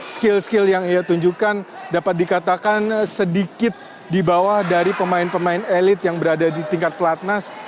skill skill yang ia tunjukkan dapat dikatakan sedikit di bawah dari pemain pemain elit yang berada di tingkat pelatnas